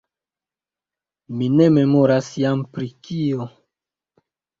Mi ne memoras jam pri kio.